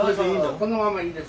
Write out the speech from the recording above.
このままいいですよ。